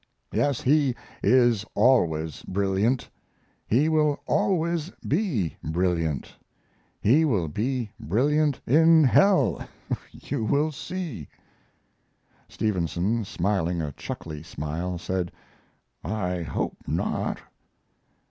Yes, he is always brilliant, he will always be brilliant; he will be brilliant in hell you will see." Stevenson, smiling a chuckly smile, said, "I hope not."